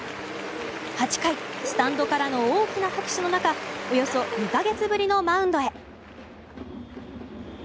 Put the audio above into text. ８回スタンドからの大きな拍手の中およそ２か月ぶりのマウンドへ。